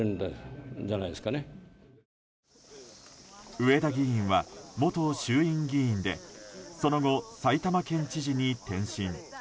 上田議員は元衆院議員でその後、埼玉県知事に転身。